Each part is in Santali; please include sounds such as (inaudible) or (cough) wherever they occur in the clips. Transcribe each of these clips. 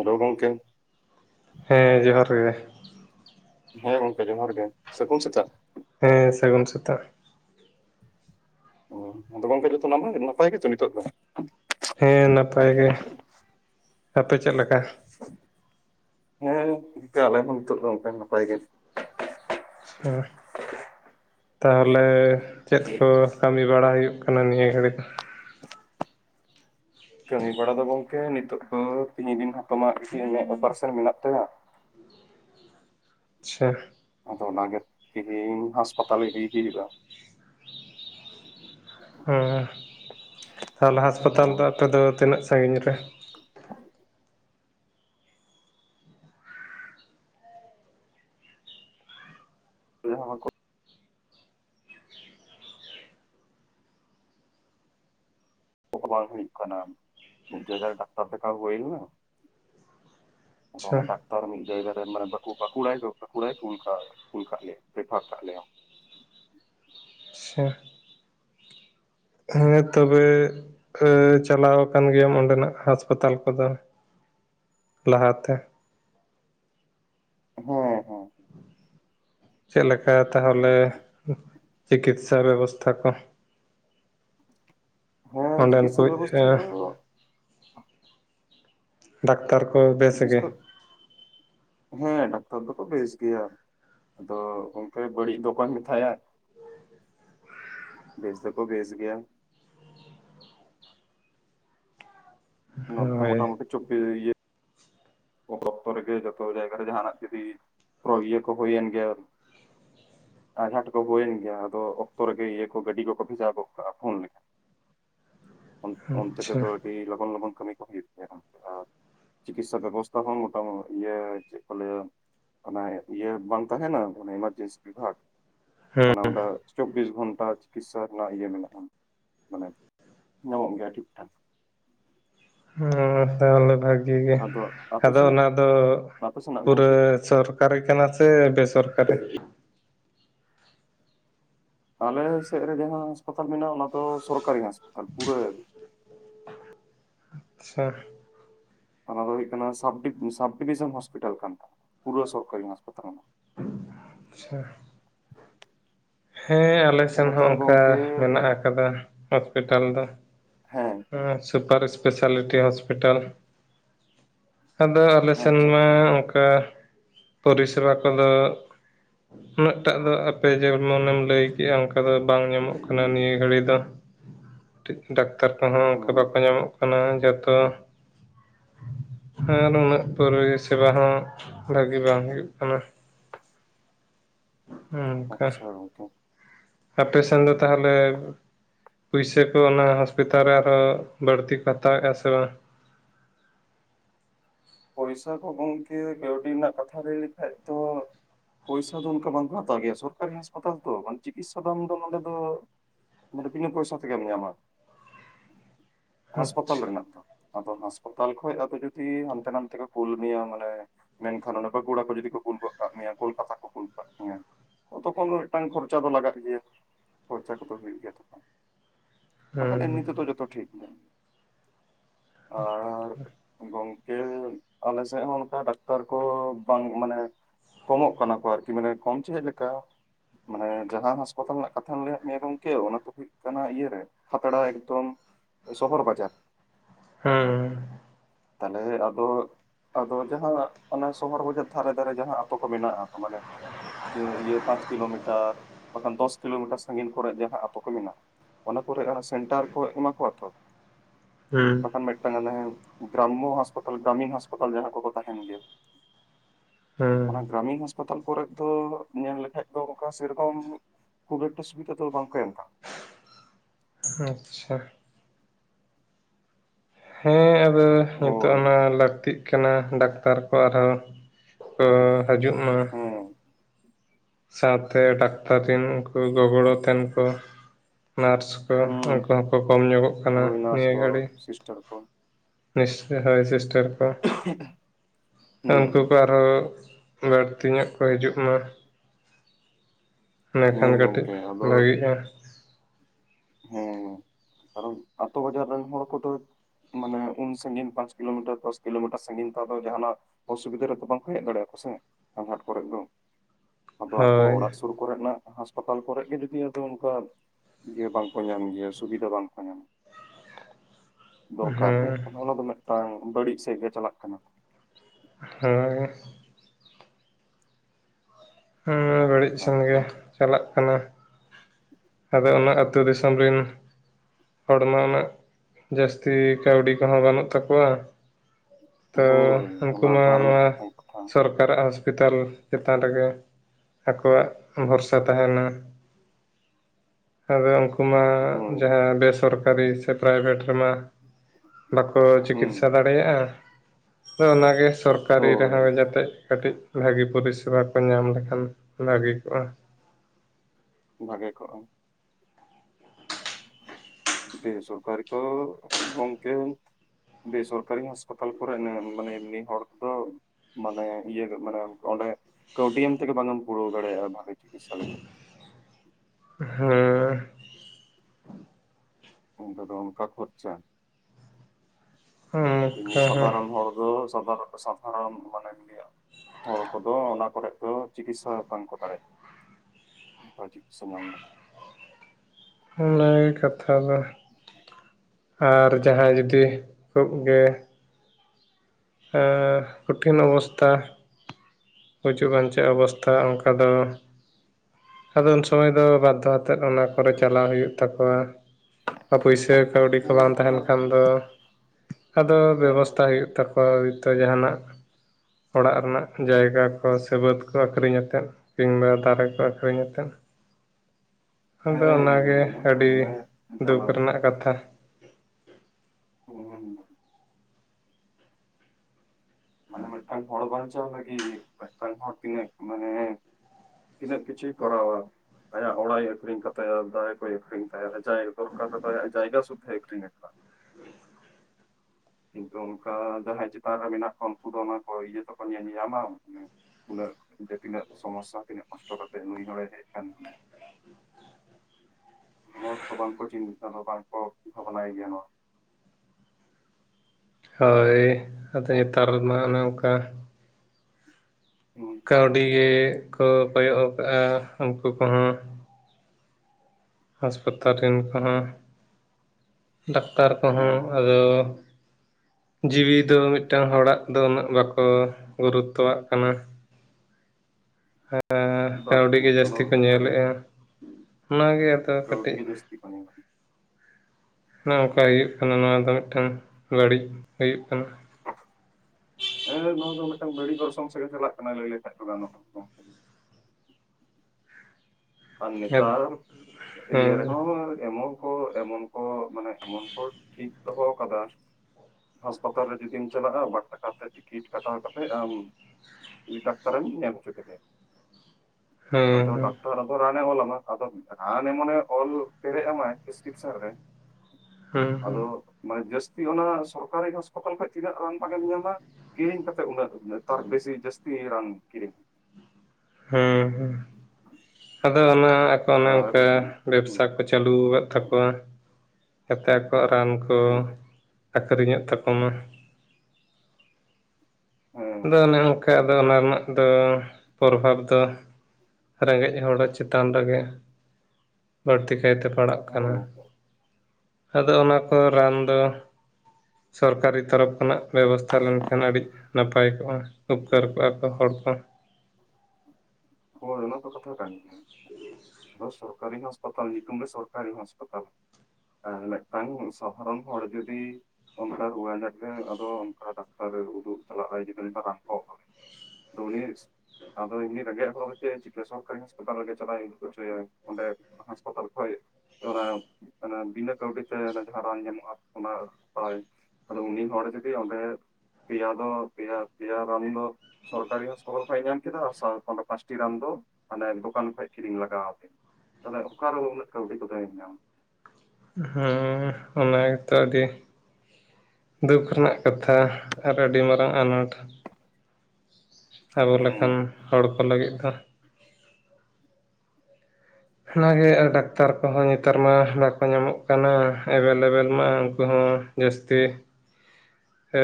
ᱟᱫᱚ ᱜᱚᱢᱠᱮ ᱾ ᱦᱮᱸ ᱡᱚᱦᱟᱨ ᱜᱮ ᱾ ᱦᱮᱸ ᱜᱚᱝᱠᱮ ᱡᱚᱦᱟᱨ ᱜᱮ ᱥᱟᱹᱜᱩᱱ ᱥᱮᱛᱟᱜ ᱾ ᱦᱮᱸ ᱥᱟᱹᱜᱩᱱ ᱥᱮᱛᱟᱜ ᱾ ᱚ ᱟᱫᱚ ᱜᱚᱝᱠᱮ ᱡᱚᱛᱚᱱᱟᱜ ᱢᱟ ᱱᱟᱯᱟᱭ ᱜᱮ ᱪᱚ ᱱᱤᱛᱚᱜ ᱫᱚ ᱾ ᱦᱮᱸ ᱱᱟᱯᱟᱭ ᱜᱮ ᱾ ᱟᱯᱮ ᱪᱮᱫ ᱞᱮᱠᱟ? ᱦᱮᱸ (inaudible) ᱟᱞᱮ ᱦᱚᱸ ᱱᱤᱛᱚᱜ ᱫᱚ ᱚᱱᱠᱟ ᱜᱮ ᱱᱟᱯᱟᱭ ᱜᱮ ᱾ ᱥᱮ ᱾ ᱛᱟᱦᱚᱞᱮ ᱪᱮᱫ ᱠᱚ ᱠᱟᱹᱢᱤ ᱵᱟᱲᱟ ᱦᱩᱭᱩᱜ ᱠᱟᱱᱟ ᱱᱤᱭᱟᱹ ᱜᱷᱟᱹᱲᱤᱡ? ᱠᱟᱹᱢᱤ ᱵᱟᱲᱟ ᱫᱚ ᱜᱚᱝᱠᱮ ᱱᱤᱛᱚᱜ ᱫᱚ ᱛᱤᱦᱤᱧ ᱫᱤᱱ ᱦᱚᱯᱚᱣᱟᱜᱤ (unintelligible) ᱤᱧᱟᱹᱜ ᱚᱯᱟᱨᱥᱮᱱ ᱢᱮᱱᱟᱜ ᱛᱟᱭᱟ ᱾ ᱟᱪᱪᱷᱟ ᱾ ᱟᱫᱚ ᱚᱱᱟᱜᱮ ᱛᱤᱦᱤᱧ ᱦᱟᱸᱥᱯᱟᱛᱟᱞ ᱤᱫᱤ ᱦᱩᱭᱩᱜᱼᱟ ᱾ (inaudible) ᱦᱮᱸ, ᱛᱟᱦᱚᱞᱮ ᱛᱚ, ᱦᱟᱥᱯᱟᱛᱟᱞ ᱫᱚ ᱟᱯᱮᱫᱚ ᱛᱤᱱᱟᱹᱜ ᱥᱟᱺᱜᱤᱧ ᱨᱮ? (unintelligible) ᱵᱟᱝ ᱦᱩᱭᱩᱜ ᱠᱟᱱᱟ, ᱡᱟᱸᱦᱟᱨᱮ ᱰᱟᱠᱛᱟᱨ ᱫᱮᱠᱷᱟᱣ ᱦᱩᱭ ᱞᱮᱱᱟ ᱾ ᱟᱪᱪᱷᱟ ᱫᱚᱢᱮ ᱫᱟᱜᱼᱼ ᱟᱨ ᱢᱤᱫ ᱡᱟᱭᱜᱟᱨᱮ ᱢᱟᱱᱮ ᱵᱟᱠᱩ ᱵᱟᱠᱩᱲᱟᱨᱮ ᱵᱟᱠᱩᱲᱟᱨᱮ ᱠᱚ ᱠᱩᱞ ᱠᱟᱜ ᱞᱮ ᱠᱩᱞ ᱠᱟᱜ ᱞᱮᱭᱟ, ᱨᱮᱯᱷᱟᱨ ᱠᱟᱜ ᱞᱮᱭᱟ ᱾ ᱥᱮ ᱾ ᱦᱮᱸ ᱛᱚᱵᱮᱼᱼ ᱦᱮᱸ ᱪᱟᱞᱟᱣ ᱟᱠᱟᱱ ᱜᱮᱭᱟᱢ ᱚᱸᱰᱮᱱᱟᱜ ᱦᱟᱥᱯᱟᱛᱟᱞ ᱠᱚᱫᱚ, ᱞᱟᱦᱟᱛᱮ ᱾ ᱦᱮᱸ ᱦᱮᱸ ᱾ ᱪᱮᱫ ᱞᱮᱠᱟ ᱛᱟᱦᱚᱞᱮ, ᱪᱤᱠᱤᱛᱥᱟ ᱵᱮᱵᱚᱥᱛᱷᱟ ᱠᱚ? ᱦᱮᱸ ᱚᱸᱰᱮᱱ ᱠᱚ ᱪᱤᱠᱤᱛᱥᱟ ᱵᱮᱵᱚᱥᱛᱷᱟ ᱫᱚᱼᱼ ᱰᱟᱠᱛᱟᱨ ᱠᱚ ᱵᱮᱥ ᱜᱮ ᱪᱤᱠᱤᱛᱥᱟ ᱾ ᱦᱮᱸ ᱰᱟᱠᱛᱟᱨ ᱫᱚᱠᱚ ᱵᱮᱥ ᱜᱮᱭᱟ ᱾ ᱟᱫᱚ ᱜᱚᱢᱠᱮ ᱵᱟᱹᱲᱤᱡ ᱫᱚ ᱚᱠᱚᱭᱮᱢ ᱢᱮᱛᱟᱭᱟ ᱾ ᱵᱮᱥ ᱫᱚ ᱠᱚ ᱵᱮᱥ ᱜᱮᱭᱟ ᱾ ᱱᱟᱨᱥ ᱠᱚ ᱦᱳᱭ ᱢᱚᱴᱟ ᱢᱩᱴᱤ ᱪᱚᱵᱽᱵᱤᱥ ᱤᱭᱮᱼᱼ ᱩᱱ ᱚᱠᱛᱚ ᱨᱮᱜᱮ ᱡᱚᱛᱚ ᱡᱟᱭᱜᱟ ᱨᱮ ᱡᱟᱸᱦᱟᱱᱟᱜ ᱡᱩᱫᱤ, ᱠᱚ ᱤᱭᱟᱹ ᱠᱚ ᱦᱩᱭᱮᱱ ᱜᱮᱭᱟᱼᱼ ᱟᱱᱟᱴ ᱠᱚ ᱦᱩᱭᱮᱱ ᱜᱮᱭᱟ ᱟᱫᱚ ᱚᱠᱛᱚ ᱨᱮᱜᱮ ᱤᱭᱟᱹ ᱠᱚ ᱜᱟᱹᱰᱤ ᱠᱚᱠᱚ ᱵᱷᱮᱡᱟ ᱜᱚᱫ ᱠᱟᱜᱼᱟ ᱯᱷᱳᱱ ᱞᱮᱠᱷᱟᱱ ᱾ (inaudible) ᱚᱱ ᱚᱱᱛᱮ ᱟᱪᱪᱷᱟ ᱛᱮᱫᱚ ᱟᱹᱰᱤ ᱞᱚᱜᱚᱱ ᱞᱚᱜᱚᱱ ᱠᱟᱹᱢᱤ ᱠᱚ ᱦᱩᱭᱩᱜᱼᱟ, ᱟᱨ ᱪᱤᱠᱤᱛᱥᱟ ᱵᱮᱵᱚᱥᱼᱼ ᱯᱨᱠᱷᱚᱢ (unintelligible) ᱤᱭᱟᱹ ᱪᱮᱫ ᱠᱚ ᱞᱟᱹᱭᱟᱼᱼ ᱚᱱᱟ ᱤᱭᱟᱹ ᱵᱟᱝ ᱛᱟᱦᱮᱱᱟ ᱮᱢᱟᱨᱡᱮᱱᱥᱤ ᱵᱤᱵᱷᱟᱜᱽ, ᱦᱮᱸ ᱚᱱᱟ ᱚᱸᱰᱮᱼᱼ ᱪᱚᱵᱽᱵᱤᱥ ᱜᱷᱚᱱᱴᱟ ᱪᱤᱠᱤᱛᱥᱟ ᱨᱮᱱᱟᱜ ᱤᱭᱟᱹ ᱢᱮᱱᱟᱜᱼᱟ, ᱢᱟᱱᱮ ᱧᱟᱢᱚᱜ ᱜᱮᱭᱟ ᱴᱷᱤᱠ ᱴᱷᱟᱠ ᱾ ᱦᱮ ᱛᱟᱦᱚᱞᱮ ᱵᱷᱟᱜᱤ ᱜᱮ, ᱟᱫᱚ ᱟᱯᱮ ᱟᱫᱚ ᱥᱮᱱᱟᱜ ᱚᱱᱟ ᱫᱚ ᱟᱯᱮ ᱥᱮᱱᱟᱜ ᱯᱩᱨᱟᱹᱼᱼ ᱜᱚᱝᱠᱮ? ᱥᱚᱨᱠᱟᱨᱤ ᱠᱟᱱᱟ ᱥᱮ ᱵᱮᱥᱚᱨᱠᱟᱨᱤ? ᱟᱞᱮ ᱥᱮᱫ ᱨᱮ ᱡᱟᱦᱟᱸ ᱦᱟᱸᱥᱯᱟᱛᱟᱞ ᱢᱮᱱᱟᱜᱼᱟ, ᱚᱱᱟ ᱫᱚ ᱥᱚᱨᱠᱟᱨᱤ ᱦᱟᱸᱥᱯᱟᱛᱟᱞ, ᱯᱩᱨᱟᱹ ᱾ ᱥᱮ ᱾ ᱚᱱᱟ ᱫᱚ ᱦᱳᱭᱳᱜ ᱠᱟᱱᱟ ᱥᱟᱵᱽ, ᱥᱟᱵᱽ ᱰᱤᱵᱷᱤᱥᱚᱱ ᱦᱚᱥᱯᱤᱴᱟᱞ ᱠᱟᱱᱟ ᱯᱩᱨᱟᱹ ᱥᱚᱨᱠᱟᱨᱤ ᱦᱟᱸᱥᱯᱟᱛᱟᱞ ᱾ ᱨᱮᱱᱟᱜ ᱟᱪᱪᱷᱟ (unintelligible) ᱦᱮᱸ ᱟᱞᱮ ᱟᱫᱚ ᱥᱮᱱ ᱦᱚᱸ ᱱᱮᱛᱟᱨ ᱚᱱᱠᱟ ᱜᱚᱝᱠᱮ ᱢᱮᱱᱟᱜ ᱟᱠᱟᱫᱟ ᱦᱳᱥᱯᱤᱴᱟᱞ ᱫᱚ᱾ ᱦᱮᱸ ᱥᱩᱯᱟᱨ ᱮᱯᱮᱥᱟᱞᱤᱴᱤ ᱦᱚᱥᱯᱤᱴᱟᱞ, ᱟᱫᱚ ᱟᱞᱮ ᱥᱮᱱ ᱟᱪᱪᱷᱟ ᱢᱟ ᱟᱪᱪᱷᱟ ᱚᱱᱠᱟ ᱯᱚᱨᱤᱥᱮᱵᱟ ᱠᱚᱫᱚ ᱩᱱᱟᱹᱜ ᱴᱟᱜ ᱫᱚ ᱟᱯᱮ ᱡᱮᱢᱚᱱᱮᱢ ᱞᱟᱹᱭ ᱠᱮᱜ-ᱟ, ᱚᱱᱠᱟ ᱫᱚ ᱵᱟᱝ ᱧᱟᱢᱚᱜ ᱠᱟᱱᱟ ᱱᱤᱭᱟᱹ ᱜᱷᱟᱹᱲᱤᱡ ᱫᱚ᱾ (unintelligible) ᱴᱷᱤᱠ ᱰᱟᱠᱛᱟᱨ ᱠᱚᱦᱚᱸ ᱚᱱᱠᱟ ᱦᱩᱸ ᱵᱟᱠᱚ ᱧᱟᱢᱚᱜ ᱠᱟᱱᱟ ᱡᱚᱛᱚ ᱟᱨ ᱩᱱᱟᱹᱜ ᱯᱚᱨᱤᱥᱮᱵᱟ ᱦᱚᱸ ᱵᱷᱟᱜᱤ ᱵᱟᱝ ᱦᱩᱭᱩᱜ ᱠᱟᱱᱟ᱾ ᱦᱩᱸ ᱚᱱᱠᱟ ᱟᱪᱪᱷᱟ ᱜᱚᱝᱠᱮ ᱟᱯᱮ ᱥᱮᱱ ᱫᱚ ᱛᱟᱦᱚᱞᱮ, ᱯᱩᱭᱥᱟᱹ ᱠᱚ ᱚᱱᱟ ᱦᱟᱥᱯᱟᱛᱟᱞ ᱨᱮ ᱟᱨᱦᱚᱸ ᱵᱟᱹᱲᱛᱤ ᱠᱚ ᱦᱟᱛᱟᱣᱮᱫ-ᱟ ᱥᱮ ᱵᱟᱝ? ᱯᱚᱭᱥᱟ ᱠᱚ ᱜᱚᱝᱠᱮ ᱠᱟᱹᱣᱰᱤ ᱨᱮᱱᱟᱜ ᱠᱟᱛᱷᱟ ᱞᱟᱹᱭ ᱞᱮᱠᱷᱟᱡ ᱫᱚ ᱯᱚᱭᱥᱟ ᱫᱚ ᱚᱱᱠᱟ ᱵᱟᱝᱠᱚ ᱦᱟᱛᱟᱣ ᱜᱮᱭᱟ᱾ ᱥᱚᱨᱠᱟᱨᱤ ᱦᱟᱸᱥᱯᱟᱛᱟᱞ ᱛᱚ ᱪᱤᱠᱤᱛᱥᱟ ᱫᱟᱢ ᱫᱚ ᱱᱚᱰᱮ ᱫᱚ ᱢᱟᱱᱮ ᱵᱤᱱᱟᱹ ᱯᱚᱭᱥᱟ ᱛᱮᱜᱮᱢ ᱧᱟᱢᱟ᱾ ᱦᱟᱸᱥᱯᱟᱛᱟᱞ ᱟᱪᱪᱷᱟ ᱨᱮᱱᱟᱜ ᱛᱚ ᱟᱫᱚ ᱦᱟᱸᱥᱯᱟᱛᱟᱞ ᱠᱷᱟᱡ ᱟᱫᱚ ᱡᱩᱫᱤ ᱦᱟᱱᱛᱮ ᱱᱟᱛᱮ ᱠᱚ ᱠᱩᱞ ᱢᱮᱭᱟ, ᱢᱟᱱᱮ ᱢᱮᱱᱠᱷᱟᱱ ᱵᱟᱸᱠᱩᱲᱟ ᱠᱚ ᱡᱩᱫᱤ ᱠᱚ ᱠᱩᱞ ᱜᱚᱫ ᱠᱟᱜ ᱢᱮᱭᱟ ᱠᱳᱞᱠᱟᱛᱟ ᱠᱚ ᱠᱩᱞ ᱠᱟᱜ ᱢᱮᱭᱟ᱾ ᱛᱚᱠᱷᱚᱱ ᱫᱚ ᱢᱤᱫᱴᱟᱝ ᱠᱷᱚᱨᱪᱟ ᱫᱚ ᱞᱟᱜᱟᱜ ᱜᱮᱭᱟ ᱠᱷᱚᱨᱪᱟ ᱠᱚᱫᱚ ᱦᱩᱭᱩᱜ ᱜᱮᱭᱟ ᱛᱚᱠᱷᱚᱱ᱾ ᱵᱟᱠᱷᱟᱱ ᱮᱢᱱᱤ ᱦᱮᱸ ᱛᱮᱫᱚ ᱡᱚᱛᱚ ᱴᱷᱤᱠ ᱜᱮᱭᱟ᱾ ᱟᱨ ᱜᱚᱝ- ᱠᱮ ᱟᱞᱮᱥᱮᱫ ᱦᱚᱸ ᱚᱱᱠᱟ ᱰᱟᱠᱛᱟᱨ ᱠᱚ ᱵᱟᱝ ᱢᱟᱱᱮ ᱠᱚᱢᱚᱜ ᱠᱟᱱᱟ ᱠᱚ ᱟᱨᱠᱤ ᱢᱟᱱᱮ ᱠᱚᱢ ᱪᱮᱫ ᱞᱮᱠᱟ ᱢᱟᱱᱮ ᱡᱟᱦᱟᱸ ᱦᱟᱸᱥᱯᱟᱛᱟᱞ ᱨᱮᱱᱟᱜ ᱠᱟᱛᱷᱟᱢ ᱞᱟᱹᱭ-ᱟᱫ ᱢᱮᱭᱟ ᱜᱚᱝᱠᱮ ᱚᱱᱟ ᱫᱚ ᱦᱳᱭᱳᱜ ᱠᱟᱱᱟ ᱤᱭᱟᱹᱨᱮ ᱠᱷᱛᱲᱟ ᱮᱠᱫᱚᱢ ᱥᱚᱦᱚᱨ ᱵᱟᱡᱟᱨ᱾ ᱦᱩᱸ ᱛᱟᱦᱞᱮ ᱟᱫᱚ ᱟᱫᱚ ᱡᱟᱦᱟᱸ ᱚᱱᱟ ᱥᱚᱦᱚᱨ ᱵᱟᱡᱟᱨ ᱫᱷᱟᱨᱮ ᱫᱷᱟᱨᱮ ᱡᱟᱦᱟᱸ ᱟᱛᱳ ᱠᱚ ᱢᱮᱱᱟᱜ-ᱟ, ᱢᱟᱱᱮ ᱤᱭᱟᱹ ᱤᱭᱟᱹ ᱯᱟᱸᱪ ᱠᱤᱞᱳᱢᱤᱴᱟᱨ ᱵᱟᱠᱷᱟᱱ ᱫᱚᱥ ᱠᱤᱞᱳᱢᱤᱴᱟᱨ ᱥᱟᱺᱜᱤᱧ ᱠᱚᱨᱮ ᱡᱟᱦᱟᱸ ᱟᱛᱳ ᱠᱚ ᱢᱮᱱᱟᱜ-ᱟ᱾ ᱚᱱᱟ ᱠᱚᱨᱮ ᱦᱟᱸᱜ ᱥᱮᱱᱴᱟᱨ ᱠᱚ ᱮᱢᱟ ᱠᱚᱣᱟ ᱛᱚ᱾ ᱦᱮᱸ ᱵᱟᱠᱷᱟᱱ ᱢᱮᱴᱟᱝ ᱚᱱᱮ ᱜᱨᱟᱢᱚ ᱦᱟᱥᱯᱟᱛᱟᱞ ᱜᱨᱟᱢᱤᱱ ᱦᱟᱸᱥᱯᱟᱛᱟᱞ ᱡᱟᱦᱟᱸ ᱠᱚᱠᱚ ᱛᱟᱦᱮᱱ ᱜᱮᱭᱟ᱾ ᱦᱮᱸ ᱚᱱᱟ ᱜᱨᱟᱢᱤᱱ ᱦᱟᱸᱥᱯᱟᱛᱟᱞ ᱠᱚᱨᱮ ᱫᱚ ᱧᱮᱞ ᱞᱮᱠᱷᱟᱡ ᱫᱚ ᱚᱱᱠᱟ ᱥᱮᱨᱚᱠᱚᱢ ᱠᱷᱩᱵ ᱮᱠᱴᱟ ᱥᱩᱵᱤᱫᱷᱟ ᱫᱚ ᱵᱟᱝ ᱠᱚ ᱮᱢᱠᱟᱜ᱾ ᱟᱪᱪᱷᱟ᱾ ᱦᱮᱸ ᱟᱫᱚ ᱱᱤᱛᱚᱜ ᱦᱳᱭ ᱚᱱᱟ ᱞᱟᱹᱠᱛᱤᱜ ᱠᱟᱱᱟ ᱰᱟᱠᱛᱟᱨ᱾ ᱠᱚ ᱟᱨᱦᱚᱸ ᱠᱚ ᱦᱟᱡᱩᱜ ᱢᱟ᱾ ᱦᱮᱸ ᱥᱟᱶᱛᱮ ᱰᱟᱠᱛᱟᱨ ᱨᱮᱱ ᱩᱱᱠᱩ ᱜᱚᱲᱚ ᱛᱮᱱ ᱠᱚ ᱱᱟᱨᱥ᱾ ᱦᱩᱸ ᱩᱱᱠᱩ ᱦᱚᱸᱠᱚ ᱠᱚᱢ ᱧᱚᱜᱚᱜ ᱠᱟᱱᱟ ᱦᱳᱭ ᱱᱟᱨᱥ ᱱᱤᱭᱟᱹ ᱠᱚ ᱜᱷᱟᱹᱲᱤᱡ᱾ ᱥᱤᱥᱴᱟᱨ ᱠᱚ ᱱᱤᱥᱪᱚᱭ ᱦᱳᱭ ᱥᱤᱥᱴᱟᱨ ᱠᱚ ᱩᱱᱠᱩ‌ ᱦᱩᱸ ᱟᱨᱦᱚᱸ ᱵᱟᱹᱲᱛᱤ ᱧᱚᱜ ᱠᱚ ᱦᱤᱡᱩᱜ ᱢᱟ᱾ ᱤᱱᱟᱹᱠᱷᱟᱱ ᱦᱮᱸ ᱠᱟᱹᱴᱤᱡ ᱜᱚᱝᱠᱮ ᱵᱷᱟᱹᱜᱤᱜ-ᱟ᱾ ᱦᱩᱸ ᱟᱛᱳ ᱵᱟᱡᱟᱨ ᱨᱮᱱ ᱦᱚᱲ ᱠᱚᱫᱚ᱾ ᱢᱟᱱᱮ ᱩᱱᱥᱟᱺᱜᱤᱧ ᱯᱟᱸᱪ ᱠᱤᱞᱳᱢᱤᱴᱟᱨ ᱯᱟᱸᱪ ᱠᱤᱞᱳᱢᱤᱴᱟᱨ ᱥᱟᱺᱜᱤᱧ ᱛᱚ ᱟᱫᱚ ᱡᱟᱦᱟᱱᱟᱜ ᱚᱥᱩᱵᱤᱫᱷᱟ ᱨᱮᱫᱚ ᱵᱟᱝ ᱠᱚ ᱦᱮᱡ ᱫᱟᱲᱮᱭᱟᱜ ᱥᱮ ᱟᱸᱜᱷᱟᱴ ᱠᱚᱨᱮᱜ ᱫᱚ᱾ ᱟᱫᱚ ᱟᱠᱚ ᱦᱳᱭ ᱚᱲᱟᱜ ᱥᱩᱨ ᱠᱚᱨᱮᱱᱟᱜ ᱦᱟᱸᱥᱯᱟᱛᱟᱞ ᱠᱚᱨᱮ ᱜᱮ ᱡᱩᱫᱤ ᱟᱫᱚ ᱚᱱᱠᱟ ᱤᱭᱟᱹ ᱵᱟᱝ, ᱠᱚ ᱧᱟᱢ ᱜᱮᱭᱟ ᱥᱩᱵᱤᱫᱷᱟ ᱵᱟᱝ ᱠᱚ ᱧᱟᱢᱟ ᱫᱚᱨᱠᱟᱨ ᱨᱮ ᱦᱮᱸ ᱚᱱᱟ ᱫᱚ ᱢᱮᱸᱫ ᱵᱟ ᱵᱟᱹᱲᱤᱡ ᱥᱮᱫ ᱜᱮ ᱪᱟᱞᱟᱜ ᱠᱟᱱᱟ ᱾ ᱦᱮᱸᱻ ᱦᱚᱸ ᱵᱟᱹᱲᱤᱡ ᱱᱚᱝᱠᱟ ᱥᱮᱱ ᱜᱮ ᱪᱟᱞᱟᱜ ᱠᱟᱱᱟ ᱾ ᱟᱫᱚ ᱚᱱᱟ ᱟᱹᱛᱩ ᱫᱤᱥᱚᱢ ᱨᱤᱱ ᱦᱚᱲᱢᱟ ᱩᱱᱟᱹᱜ ᱡᱟᱹᱥᱛᱤ ᱠᱟᱹᱣᱰᱤ ᱠᱚᱦᱚᱸ ᱵᱟᱹᱱᱩᱜ ᱛᱟᱠᱚᱣᱟ ᱾ ᱛᱚ ᱦᱳᱭ ᱩᱱᱠᱩ ᱚᱱᱟ ᱢᱟ ᱫᱚ ᱟᱨ ᱱᱚᱣᱟ ᱢᱤᱫᱴᱟᱝ ᱠᱟᱛᱷᱟ ᱥᱚᱨᱠᱟᱨᱟᱜ ᱦᱚᱥᱯᱤᱛᱟᱞ ᱪᱮᱛᱟᱱ ᱨᱮᱜᱮ ᱟᱠᱚᱣᱟᱜ ᱵᱷᱚᱨᱥᱟ ᱛᱟᱸᱦᱮᱱᱟ ᱾ ᱟᱫᱚ ᱩᱱᱠᱩ ᱢᱟ ᱦᱳᱭ ᱡᱟᱸᱦᱟ ᱵᱮᱥᱚᱨᱠᱟᱨᱤ ᱥᱮ ᱯᱨᱟᱭᱵᱷᱮᱴ ᱨᱮᱢᱟ (inaudible) ᱵᱟᱠᱚ ᱪᱤᱠᱤᱛᱥᱟ ᱦᱩᱸ ᱫᱟᱲᱮᱭᱟᱜ-ᱟ ᱾ (inaudible) ᱟᱫᱚ ᱚᱱᱟᱜᱮ ᱥᱚᱨ ᱠᱟᱹᱨᱤ ᱨᱮᱦᱚᱸ ᱦᱳᱭ ᱡᱟᱛᱮᱜ ᱠᱟᱹᱴᱤᱡ ᱵᱷᱟᱹᱜᱤ ᱯᱚᱨᱤᱥᱮᱵᱟ ᱠᱚ ᱧᱟᱢ ᱞᱮᱠᱷᱟᱱ ᱵᱷᱟᱹᱜᱮ ᱠᱚᱜ-ᱟ ᱾ ᱵᱷᱟᱜᱮ ᱠᱚᱜ-ᱟ ᱾ (inaudible) ᱵᱮᱥᱚᱨᱠᱟᱨᱤ ᱠᱚ ᱜᱚᱢᱠᱮ ᱵᱮᱥᱚᱨᱠᱟᱨᱤ ᱦᱟᱥᱯᱟᱛᱟᱞ ᱠᱚᱨᱮ ᱢᱟᱱᱮ ᱮᱢᱱᱤ ᱦᱚᱲ ᱠᱚᱫᱚ ᱢᱟᱱᱮ ᱤᱭᱟᱹ ᱢᱟᱱᱮ ᱚᱸᱰᱮ ᱠᱟᱹᱣᱰᱤ ᱮᱢ ᱛᱮᱜᱮ ᱵᱟᱝ ᱮᱢ ᱯᱩᱨᱟᱹᱣ ᱫᱟᱲᱮᱭᱟᱜ-ᱟ ᱵᱷᱟᱜᱤ ᱪᱤᱠᱤᱛᱥᱟ ᱞᱟᱹᱜᱤᱫ ᱾ ᱦᱮᱸᱻ (inaudible) ᱩᱱ ᱨᱮᱫᱚ ᱚᱱᱠᱟ ᱠᱷᱚᱨᱪᱟ ᱾ ᱮᱢᱱᱤ ᱚᱱᱠᱟ ᱦᱚᱸ ᱥᱟᱫᱷᱟᱨᱚᱱ ᱦᱚᱲ ᱫᱚ ᱥᱟᱫᱷᱟᱨᱚᱱ ᱥᱟᱫᱷᱟᱨᱚᱱ ᱢᱟᱱᱮᱢ ᱞᱟᱹᱭᱟ ᱦᱚᱲ ᱠᱚᱫᱚ ᱚᱱᱟ ᱠᱚᱨᱮᱫ ᱫᱚ ᱪᱤᱠᱤᱛᱥᱟ ᱵᱟᱝ ᱠᱚ ᱫᱟᱲᱮᱭᱟᱜ-ᱟ ᱾ ᱯᱟᱪᱩᱜ ᱥᱚᱢᱟᱱ ᱫᱚ ᱚᱱᱟᱜᱮ ᱠᱟᱛᱷᱟ ᱫᱚ ᱾ (inaudible) ᱟᱨ ᱡᱟᱦᱟᱸᱭ ᱡᱩᱫᱤ ᱠᱷᱩᱵ ᱜᱮ ᱮᱸᱻ ᱠᱚᱴᱷᱤᱱ ᱚᱵᱚᱥᱛᱷᱟ ᱜᱩᱡᱩᱜ ᱵᱟᱧᱪᱟᱜ ᱚᱵᱚᱥᱛᱷᱟ ᱚᱱᱠᱟ ᱫᱚ (inaudible) ᱟᱫᱚ ᱩᱱ ᱥᱚᱢᱚᱭ ᱫᱚ ᱵᱟ (unintelligible) ᱚᱱᱟ ᱠᱚᱨᱮ ᱪᱟᱞᱟᱣ ᱦᱩᱭᱩᱜ ᱛᱟᱠᱚᱣᱟ ᱾ ᱯᱩᱭᱥᱟᱹ ᱠᱟᱹᱣᱰᱤ ᱠᱚ ᱵᱟᱝ ᱛᱟᱦᱮᱱ ᱠᱷᱟᱱ ᱫᱚ (inaudible) ᱟᱫᱚ ᱦᱮᱸ ᱵᱮᱵᱚᱥᱛᱟ ᱦᱩᱭᱩᱜ ᱛᱟᱠ ᱦᱚᱭᱛᱚ ᱡᱟᱸᱦᱟᱱᱟᱜ ᱚᱲᱟᱜ ᱨᱮᱱᱟᱜ ᱡᱟᱭᱜᱟ ᱠᱚ ᱥᱮ ᱵᱟᱹᱫᱽ ᱠᱚ ᱟᱹᱠᱷᱨᱤᱧ ᱟᱛᱮᱫ ᱾ ᱠᱤᱢᱵᱟ ᱫᱟᱨᱮ ᱠᱚ ᱟᱹᱠᱷᱨᱤᱧ ᱟᱛᱮᱜ ᱾ (inaudible) ᱦᱮᱸ ᱦᱮᱸ ᱦᱮᱸ ᱟᱹᱰᱤ ᱚᱱᱟ ᱜᱮ ᱡᱟᱞᱟ ᱫᱚ ᱾ (unintelligible) ᱠᱟᱛᱷᱟ ᱾ ᱦᱩᱸ ᱾ ᱢᱟᱱᱮ ᱢᱤᱫᱴᱟᱝ ᱦᱚᱲ ᱵᱟᱧᱪᱟᱣ ᱞᱟᱹᱜᱤᱫ ᱢᱤᱫᱴᱟᱝ ᱦᱚᱲ ᱛᱤᱱᱟᱹᱜ ᱢᱟᱱᱮ ᱛᱤᱱᱟᱹᱜ ᱠᱤᱪᱷᱩᱭ ᱠᱚᱨᱟᱣᱟ ᱾ ᱟᱭᱟᱜ ᱚᱲᱟᱜ ᱮ ᱟᱹᱠᱷᱨᱤᱧ ᱠᱟᱛᱟᱭᱟ, ᱫᱟᱨᱮ ᱠᱚᱭ ᱟᱹᱠᱷᱨᱤᱧ ᱛᱟᱭᱟ, ᱟᱡᱟᱜ ᱫᱚᱨᱠᱟᱨ ᱡᱷᱚᱛᱚ ᱟᱭᱟᱜ ᱡᱟᱭᱜᱟ ᱥᱩᱫᱷᱟᱹᱭ ᱟᱹᱠᱷᱨᱤᱧ ᱟᱠᱟᱫᱟ ᱾ ᱠᱤᱱᱛᱩ ᱚᱱᱠᱟ ᱡᱟᱦᱟᱸᱭ ᱪᱮᱛᱟᱱ ᱨᱮ ᱢᱮᱱᱟᱜ ᱠᱚᱣᱟ ᱩᱱᱠᱩ ᱫᱚ ᱚᱱᱟ ᱠᱚ ᱤᱭᱟᱹᱠᱚ ᱠᱚ ᱧᱮᱞ ᱧᱟᱢᱟ ᱾ ᱩᱱᱟᱹᱜ ᱡᱮ ᱛᱤᱱᱟᱹᱜ ᱥᱚᱢᱚᱥᱥᱟ ᱛᱤᱱᱟᱹᱜ ᱠᱚᱥᱴᱚ ᱠᱟᱛᱮᱜ ᱱᱩᱭ ᱦᱚᱲᱮ ᱦᱮᱡ ᱠᱟᱜ ᱵᱚᱱᱟᱭ ᱾ ᱚᱱᱟ ᱠᱚᱫᱚ ᱵᱟᱝ ᱠᱚ ᱪᱤᱱᱛᱟ ᱵᱟᱝ ᱠᱚ ᱵᱷᱟᱵᱱᱟᱭ ᱜᱮᱭᱟ ᱱᱚᱣᱟ ᱦᱳᱭ ᱟᱫᱚ ᱱᱮᱛᱟᱨᱢᱟ ᱚᱱᱮ ᱚᱱᱠᱟ ᱾ ᱦᱩᱸ ᱾ ᱠᱟᱹᱣᱰᱤ ᱜᱮ ᱠᱚ ᱠᱚᱭᱚᱜ ᱟᱠᱟᱜᱼᱟ ᱩᱱᱠᱩ ᱠᱚᱦᱚᱸ ᱦᱟᱥᱯᱟᱛᱟᱞ ᱨᱮᱱ ᱠᱚᱦᱚᱸ ᱾ ᱰᱟᱠᱛᱟᱨ ᱦᱮᱸ ᱠᱚᱦᱚᱸ ᱜᱚᱝᱠᱮ ᱟᱫᱚ ᱡᱤᱣᱤ ᱫᱚ ᱢᱤᱫᱴᱟᱝ ᱦᱚᱲᱟᱜ ᱫᱚ ᱩᱱᱟᱹᱜ ᱵᱟᱠᱚ ᱜᱩᱨᱩᱛᱛᱚᱣᱟᱜ ᱠᱟᱱᱟ ᱾ (inaudible) ᱦᱮᱸ ᱠᱟᱹᱣᱰᱤ ᱜᱮ ᱵᱟᱝ ᱡᱟᱹᱥᱛᱤ ᱠᱚ ᱠᱟᱛᱷᱟ ᱜᱮ ᱧᱮᱞᱮᱫᱼᱟ, ᱚᱱᱟᱜᱮ ᱠᱟᱹᱣᱰᱤ ᱠᱟᱹᱴᱤᱡ ᱜᱮ ᱡᱟᱹᱥᱛᱤ ᱠᱚ ᱧᱮᱞᱟ ᱾ ᱚᱱᱮ ᱚᱱᱠᱟ ᱤᱭᱟᱹᱜ ᱠᱟᱱᱟ, ᱱᱚᱣᱟ ᱫᱚ ᱢᱤᱫᱴᱟᱝ ᱵᱟᱹᱲᱤᱡ ᱦᱩᱭᱩᱜ ᱠᱟᱱᱟ ᱾ (inaudible) ᱦᱮᱸ ᱱᱚᱣᱟ ᱫᱚ ᱢᱤᱫᱴᱟᱝ ᱵᱟᱹᱲᱤᱡ ᱚᱨᱥᱚᱝ ᱥᱮᱫ ᱜᱮ ᱪᱟᱞᱟᱜ ᱠᱟᱱᱟ ᱞᱟᱹᱭ ᱞᱮᱠᱷᱟᱱ ᱫᱚ ᱜᱟᱱᱚᱜᱼᱟ ᱾ ᱟᱨ ᱦᱮᱸ ᱱᱮᱛᱟᱨ ᱤᱭᱟᱹ ᱦᱮᱸ ᱨᱮᱦᱚᱸ ᱮᱢᱚᱜ ᱠᱚ ᱮᱢᱚᱱ ᱠᱚ ᱢᱟᱱᱮ ᱮᱢᱚᱱ ᱠᱚ ᱴᱷᱤᱠ ᱫᱚᱦᱚᱣ ᱠᱟᱫᱟ ᱦᱟᱸᱥᱯᱟᱛᱟᱞ ᱨᱮ ᱡᱩᱫᱤᱢ ᱪᱟᱞᱟᱜ-ᱟ ᱵᱟᱨ ᱴᱟᱠᱟ ᱛᱮ ᱴᱤᱠᱤᱴ ᱠᱟᱴᱟᱣ ᱠᱟᱛᱮᱫ ᱟᱢ ᱩᱱᱤ ᱰᱟᱠᱛᱟᱨᱮᱢ ᱧᱮᱞ ᱦᱚᱪᱚ ᱠᱮᱫᱮᱭᱟ ᱦᱮᱸ ᱟᱫᱚ ᱦᱮᱸ ᱰᱟᱠᱛᱟᱨ ᱨᱟᱱᱮ ᱚᱞ ᱟᱢᱟ ᱟᱫᱚ ᱨᱟᱱ ᱮᱢᱚᱱᱮ ᱚᱞ ᱯᱮᱨᱮᱡ ᱟᱢᱟᱭ ᱯᱮᱥᱠᱤᱯᱥᱚᱱ ᱨᱮ ᱦᱮᱸ ᱦᱮᱸ ᱟᱫᱚ ᱢᱟᱱᱮ ᱡᱟᱹᱥᱛᱤ ᱚᱱᱟ ᱥᱚᱨᱠᱟᱨᱤ ᱦᱟᱸᱥᱯᱟᱛᱟᱞ ᱠᱷᱚᱡ ᱛᱤᱱᱟᱹᱜ ᱨᱟᱱ ᱵᱟᱝ ᱮᱢ ᱧᱟᱢᱟ ᱠᱤᱨᱤᱧ ᱠᱟᱛᱮᱫ ᱩᱱᱟᱹᱜ ᱱᱮᱛᱟᱨ ᱵᱮᱥᱤ ᱡᱟᱹᱥᱛᱤ ᱨᱟᱱ ᱠᱤᱨᱤᱧ ᱦᱮᱸ ᱦᱩᱸ ᱟᱫᱚ ᱚᱱᱟ ᱟᱠᱚ ᱚᱱᱮ ᱟᱨ ᱚᱱᱠᱟ ᱵᱮᱵᱽᱥᱟ ᱠ ᱠᱚ ᱪᱟᱹᱞᱩᱣ ᱠᱟᱫ ᱛᱟᱠᱚᱣᱟ, ᱡᱟᱛᱮ ᱟᱠᱚᱣᱟᱜ ᱨᱟᱱ ᱠᱚ ᱦᱳᱭ ᱟᱠᱨᱤᱧᱚᱜ ᱛᱟᱠᱚ ᱢᱟ᱾ ᱦᱮᱸ᱾ ᱟᱫᱚ ᱚᱱᱮ ᱚᱱᱠᱟ ᱟᱫᱚ ᱚᱱᱟ ᱨᱮᱱᱟᱜ ᱫᱚ, ᱯᱨᱚᱵᱷᱟᱵᱽ ᱫᱚ᱾ ᱨᱮᱸᱜᱮᱡ ᱦᱚᱲ ᱪᱮᱛᱟᱱ ᱨᱮ ᱜᱮ ᱵᱟᱹᱲᱛᱤ ᱠᱟᱭᱛᱮ ᱯᱟᱲᱟᱜ ᱦᱳᱭ ᱠᱟᱱᱟ᱾ ᱟᱫᱚ ᱚᱱᱟ ᱠᱚ ᱨᱟᱱ ᱫᱚ ᱥᱚᱨᱠᱟᱨᱤ ᱛᱚᱨᱚᱯᱷ ᱠᱷᱚᱱᱟᱜ ᱵᱮᱵᱚᱥᱛᱷᱟ ᱞᱮᱱᱠᱷᱟᱱ ᱟᱹᱰᱤ ᱱᱟᱯᱟᱭ ᱠᱚᱜᱼᱟ ᱩᱯᱠᱟᱹᱨ ᱠᱚᱜᱼᱟ ᱠᱚ ᱦᱚᱲ ᱠᱚ᱾ ᱦᱳᱭ ᱚᱱᱟ ᱫᱚ ᱠᱟᱛᱷᱟ ᱠᱟᱱ ᱜᱮᱭᱟ ᱦᱮᱸᱥᱮ᱾ ᱟᱫᱚ ᱥᱚᱨᱠᱟᱨᱤ ᱦᱟᱸᱥᱯᱟᱛᱟᱞ ᱧᱩᱛᱩᱢ ᱨᱮ ᱥᱚᱨᱠᱟᱨᱤ ᱦᱟᱸᱥᱯᱟᱛᱟᱞ᱾ ᱦᱮᱸ ᱢᱤᱫᱴᱟᱝ ᱥᱚᱦᱚᱨᱚᱢ ᱦᱚᱲ ᱡᱩᱫᱤ ᱚᱱᱠᱟ ᱨᱩᱣᱟᱹ ᱧᱟᱜ ᱜᱮ ᱟᱫᱚ ᱚᱱᱠᱟ ᱰᱟᱠᱛᱟᱨ ᱮ ᱩᱫᱩᱜ ᱪᱟᱞᱟᱜᱼᱟᱭ ᱡᱩᱫᱤ ᱤᱱᱤᱫᱚ ᱨᱟᱱ ᱠᱚ ᱫᱚ ᱤᱱᱤᱭᱮᱥ ᱟᱫᱚ ᱮᱢᱱᱤ ᱨᱮᱸᱜᱮᱡ ᱛᱚᱠᱷᱚᱱ ᱫᱚ ᱪᱮᱫ ᱮᱢ ᱪᱤᱠᱟᱹᱭᱥ ᱥᱚᱨᱠᱟᱨᱤ ᱦᱟᱸᱥᱯᱟᱛᱟᱞ ᱨᱮ ᱜᱮ ᱪᱟᱞᱟᱜ (unintelligible) ᱦᱚᱪᱚᱭᱟᱭ ᱚᱸᱰᱮ ᱦᱟᱸᱥᱯᱟᱛᱟᱞ ᱠᱷᱚᱡ ᱚᱱᱟ ᱦᱩᱭᱩᱜ ᱠᱟᱱᱟ ᱵᱤᱱᱟᱹ ᱠᱟᱹᱣᱰᱤ ᱛᱮ ᱚᱱᱮ ᱡᱟᱦᱟᱸ ᱨᱟᱱ ᱧᱟᱢᱚᱜᱼᱟ ᱚᱱᱟ ᱦᱟᱛᱟᱣᱟᱭ᱾ ᱛᱟᱦᱞᱮ ᱩᱱᱤ ᱦᱚᱲ ᱡᱩᱫᱤ ᱚᱸᱰᱮ ᱯᱮᱭᱟ ᱫᱚ ᱯᱮᱭᱟ ᱯᱮᱭᱟ ᱨᱟᱱ ᱫᱚ ᱥᱚᱨᱠᱟᱨᱤ ᱦᱚᱸᱥᱯᱟᱛᱟᱞ ᱠᱷᱚᱡ-ᱮ ᱧᱟᱢ ᱠᱮᱫᱟ ᱥᱟᱸᱶ ᱠᱷᱚᱱ ᱫᱚ ᱯᱟᱸᱪᱟ ᱠᱤ ᱨᱟᱱ ᱫᱚ ᱫᱚ ᱦᱟᱱᱮ ᱫᱚᱠᱟᱱ ᱠᱷᱚᱡ ᱠᱤᱨᱤᱧ ᱞᱟᱜᱟᱣ ᱟᱵᱮᱱᱟ, ᱛᱟᱦᱚᱞᱮ ᱚᱠᱟᱨᱮ ᱩᱱᱟᱹᱜ ᱠᱟᱹᱣᱰᱤ ᱠᱚᱫᱚᱭ ᱧᱟᱢᱟ? ᱦᱩᱸ ᱚᱱᱟ ᱜᱮᱛᱚ ᱟᱹᱰᱤ ᱫᱩᱠᱷ ᱨᱮᱱᱟᱜ ᱠᱟᱛᱷᱟ ᱟᱨ ᱟᱹᱰᱤ ᱢᱟᱨᱟᱝ ᱟᱱᱟᱴ᱾ ᱟᱵᱚ ᱞᱮᱠᱟᱱ ᱦᱩᱸ ᱦᱚᱲ ᱠᱚ ᱞᱟᱹᱜᱤᱫ ᱫᱚ ᱚᱱᱟ ᱜᱮ ᱟᱨ ᱰᱟᱠᱛᱟᱨ ᱠᱚ ᱦᱚᱸ ᱧᱮᱛᱟᱨ ᱛᱢᱟ ᱵᱟᱠᱚ ᱧᱟᱢᱚᱜ ᱠᱟᱱᱟ ᱮᱵᱮᱞ ᱮᱵᱮᱞ ᱢᱟ ᱩᱱᱠᱩ ᱦᱚᱸᱱᱟ ᱡᱟᱹᱥᱛᱤ ᱮ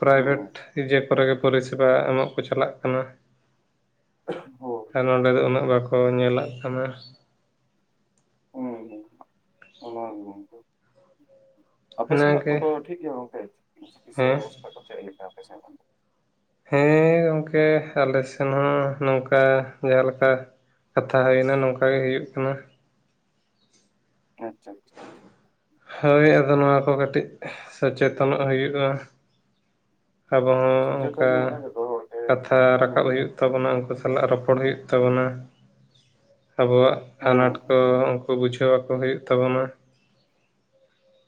ᱯᱨᱟᱭᱵᱷᱮᱴ ᱦᱩᱸ ᱤᱭᱟᱹ ᱠᱚᱨᱮ ᱜᱮ ᱯᱚᱨᱤᱥᱮᱵᱟ ᱮᱢᱚᱜ ᱠᱚ ᱪᱟᱞᱟᱜ ᱠᱟᱱᱟ᱾ ᱦᱳᱭ ᱟᱨ ᱱᱚᱸᱰᱮ ᱫᱚ ᱩᱱᱟᱹᱜ ᱵᱟᱠᱚ ᱧᱮᱞᱟᱜ ᱠᱟᱱᱟ᱾ ᱦᱩᱸ ᱜᱚᱝᱠᱮ, ᱚᱱᱷᱟᱵ ᱜᱚᱝᱠᱮ᱾ ᱟᱯᱮ ᱥᱮᱱᱟᱜ ᱠᱚ ᱚᱱᱟᱜᱮ ᱫᱚ ᱴᱷᱤᱠ ᱜᱮᱭᱟ ᱜᱚᱝᱠᱮ ᱪᱤᱠᱤ-ᱪᱤᱠᱤᱥᱥᱟ ᱦᱮᱸ ᱵᱮᱵᱚᱥᱛᱷᱟ ᱠᱚ ᱪᱮᱫ ᱞᱮᱠᱟ ᱟᱯᱮᱥᱮᱱᱟᱜ ᱫᱚ? ᱦᱮᱸ ᱜᱚᱢᱠᱮ ᱟᱞᱮ ᱥᱮᱱ ᱦᱚᱸ ᱱᱚᱝᱠᱟ ᱡᱟᱸᱦᱟ ᱞᱮᱠᱟ᱾ ᱠᱟᱛᱷᱟ ᱦᱩᱭᱱᱟ ᱱᱚᱝᱠᱟ ᱜᱮ ᱦᱩᱭᱩᱜ ᱠᱟᱱᱟ᱾ ᱟᱪᱪᱷᱟ ᱟᱪᱪᱷᱟ᱾ ᱦᱳᱭ ᱟᱫᱚ ᱱᱚᱣᱟ ᱠᱚ ᱠᱟᱹᱴᱤᱡ ᱥᱚᱪᱮᱛᱚᱱᱚᱜ ᱦᱩᱭᱩᱜᱼᱟ᱾ ᱟᱵᱚ ᱦᱚᱸ ᱥᱚᱪᱮᱛᱚᱱ ᱚᱱᱠᱟ ᱧᱚᱜ ᱡᱚᱛᱚ ᱦᱚᱲ ᱜᱮ ᱠᱟᱛᱷᱟ ᱨᱟᱠᱟᱵ ᱦᱩᱸ ᱦᱩᱭᱩᱜ ᱛᱟᱵᱚᱱᱟ ᱩᱱᱠᱩ ᱥᱟᱞᱟᱜ ᱨᱚᱯᱚᱲ ᱦᱩᱭᱩᱜ ᱛᱟᱵᱚᱱᱟ, ᱟᱵᱚᱣᱟᱜ ᱟᱱᱟᱴ ᱦᱩᱸ ᱠᱚ ᱠᱚ ᱵᱩᱡᱷᱟᱹᱣᱟᱠᱚ ᱦᱩᱭᱩᱜ ᱛᱟᱵᱚᱱᱟ᱾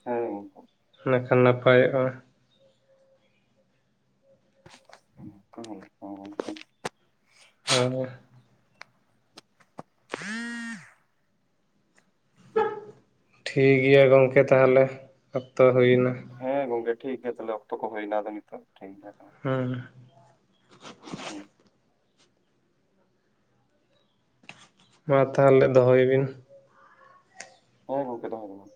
ᱦᱮᱸ ᱜᱚᱝᱠᱮ᱾ ᱤᱱᱟᱹᱠᱷᱟᱱ ᱱᱟᱯᱟᱭᱚᱜᱼᱟ᱾ (inaudible) ᱦᱟᱻ᱾ (inaudible) ᱴᱷᱤᱠ ᱜᱮᱭᱟ ᱜᱚᱝᱠᱮ ᱛᱟᱦᱞᱮ ᱚᱠᱛᱚ ᱦᱩᱭᱮᱱᱟ᱾ ᱦᱮᱸ ᱜᱚᱝᱠᱮ ᱴᱷᱤᱠ ᱜᱮᱭᱟ ᱛᱟᱦᱞᱮ ᱚᱠᱛᱚ ᱠᱚ ᱦᱩᱭᱱᱟ ᱟᱫᱚ ᱱᱤᱛᱚᱜ ᱴᱷᱤᱠ ᱜᱮᱭᱟ ᱠᱟᱱᱟ᱾ ᱦᱩᱸ᱾ ᱦᱩᱸ᱾ ᱢᱟ ᱛᱟᱦᱞᱮ ᱫᱚᱦᱚᱭ ᱵᱤᱱ᱾ ᱦᱮᱸ ᱜᱚᱝᱠᱮ ᱫᱚᱦᱚᱭ ᱫᱟᱞᱤᱧ᱾